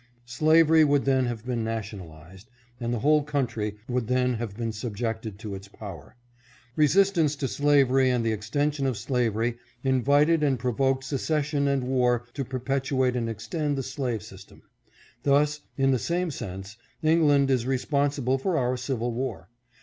Slavery would then have been nationalized, and the whole country would then have been subjected to its power. Resistance to slavery and the extension of slavery invited and provoked secession and war to perpetuate and extend the slave system. Thus, in the same sense, England is responsible for our eivil war.